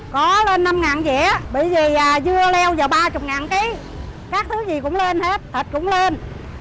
có lên năm ngàn rẻ bởi vì dưa leo giờ ba mươi ngàn ký các thứ gì cũng lên hết thịt cũng lên